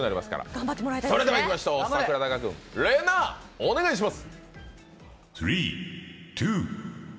それではいきましょう、れなぁ、お願いします。